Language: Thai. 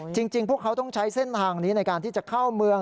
จริงพวกเขาต้องใช้เส้นทางนี้ในการที่จะเข้าเมือง